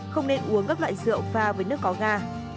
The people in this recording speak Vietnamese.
không nên uống các loại rượu pha với nước có ga